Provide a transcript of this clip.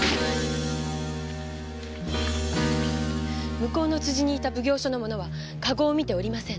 向こうの辻にいた奉行所の者は駕籠を見ておりません。